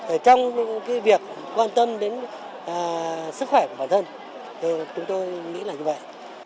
ở trong cái việc quan tâm đến sức khỏe của bản thân thì chúng tôi nghĩ là như vậy